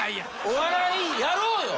お笑いやろうよ！